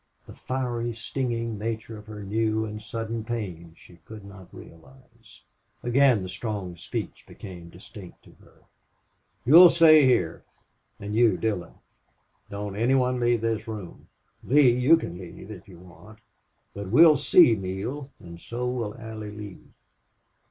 The fiery, stinging nature of her new and sudden pain she could not realize. Again the strong speech became distinct to her. "... You'll stay here and you, Dillon.... Don't any one leave this room.... Lee, you can leave, if you want. But we'll see Neale, and so will Allie Lee."